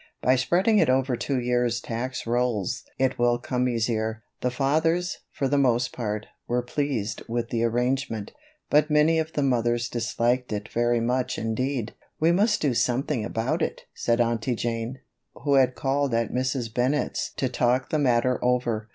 By spreading it over two years' tax rolls it will come easier." The fathers, for the most part, were pleased with the arrangement, but many of the mothers disliked it very much indeed. "We must do something about it," said Aunty Jane, who had called at Mrs. Bennett's to talk the matter over.